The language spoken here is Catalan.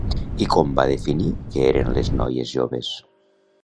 I com va definir que eren les noies joves?